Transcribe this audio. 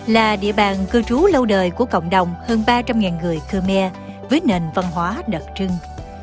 là địa bàn cư trú lâu đời của cộng đồng hơn ba trăm linh người khmer với nền văn hóa đặc trưng